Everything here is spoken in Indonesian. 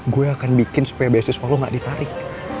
gue akan bikin sepebesis lo gak ditarik